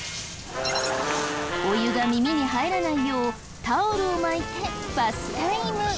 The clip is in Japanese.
お湯が耳に入らないようタオルを巻いてバスタイム。